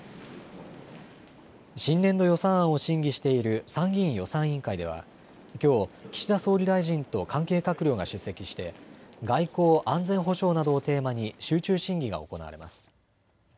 新年度予算案を審議している参議院予算委員会ではきょう岸田総理大臣と関係閣僚が出席して外交・安全保障などをテーマに集中審議が行われます。